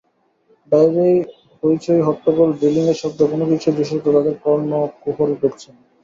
বাইরের হইচই, হট্টগোল, ড্রিলিংয়ের শব্দ—কোনো কিছুই দৃশ্যত তাদের কর্ণকুহরে ঢুকছে না।